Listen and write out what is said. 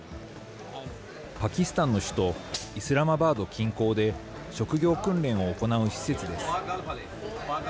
パキスタンの首都、イスラマバード近郊で職業訓練を行う施設です。